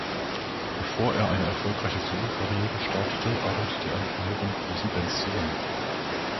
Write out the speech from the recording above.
Bevor er eine erfolgreiche Solokarriere startete, arbeitete er mit mehreren großen Bands zusammen.